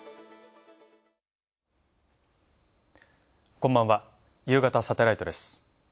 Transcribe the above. こんばんは、ゆうがたサテライトです。